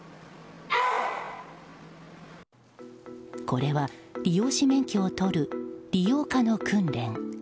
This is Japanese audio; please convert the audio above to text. これは、理容師免許を取る理容科の訓練。